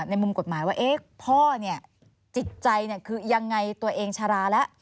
ในมุมกฎหมายว่าพ่อเนี่ยจิตใจคือยังไงตัวเองชะลาแล้ว